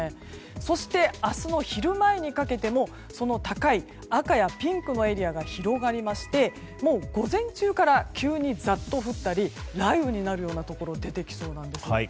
そして、明日の昼前にかけてもその高い赤やピンクのエリアが広がりまして午前中から急にザッと降ったり雷雨になるようなところが出てきそうなんです。